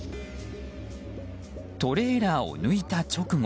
トレーラーを抜いた直後。